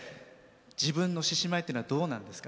自分の獅子舞っていうのはどうなんですか？